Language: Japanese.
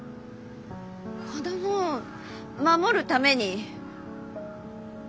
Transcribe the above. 子供を守るために。